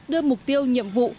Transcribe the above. đưa mục tiêu nhiệm vụ